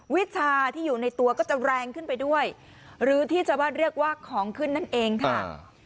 วิชาที่อยู่ในตัวก็จะแรงขึ้นไปด้วยหรือที่จะว่าเรียกว่าของขึ้นนั่นเองค่ะ